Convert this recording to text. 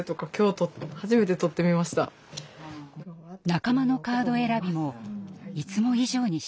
仲間のカード選びもいつも以上に真剣です。